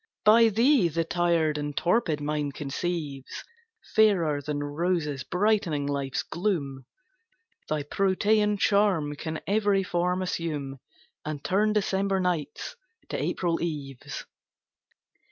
By thee the tired and torpid mind conceives Fairer than roses brightening life's gloom, Thy protean charm can every form assume And turn December nights to April eves.